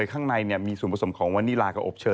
ครั้งในมีส่วนผสมวันนีรากับโอปเชย์